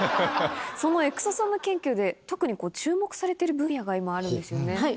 そのエクソソーム研究で特に注目されてる分野が今、あるんですよね？